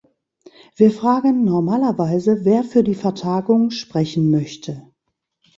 Wir fragen normalerweise, wer für die Vertagung sprechen möchte.